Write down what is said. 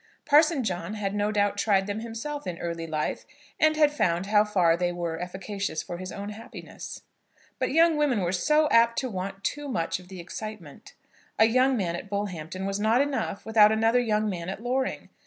Parson John had no doubt tried them himself in early life, and had found how far they were efficacious for his own happiness. But young women were so apt to want too much of the excitement! A young man at Bullhampton was not enough without another young man at Loring.